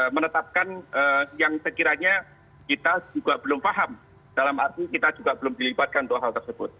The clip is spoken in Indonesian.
menetapkan yang sekiranya kita juga belum paham dalam arti kita juga belum dilibatkan untuk hal tersebut